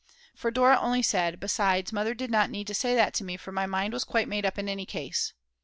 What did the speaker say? For Dora only said: "Besides, Mother did not need to say that to me, for my mind was quite made up in any case."